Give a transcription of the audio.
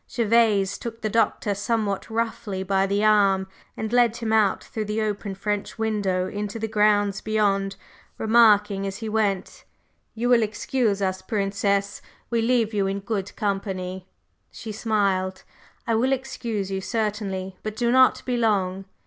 Gervase took the Doctor somewhat roughly by the arm and led him out through the open French window into the grounds beyond, remarking as he went: "You will excuse us, Princess? We leave you in good company!" She smiled. "I will excuse you, certainly! But do not be long!"